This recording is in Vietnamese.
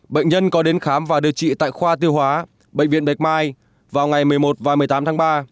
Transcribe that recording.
bệnh nhân có đến khám và điều trị tại khoa tiêu hóa bệnh viện bạch mai vào ngày một mươi một và một mươi tám tháng ba